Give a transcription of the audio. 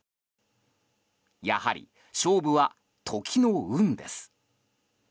やはり、勝負は時の運です。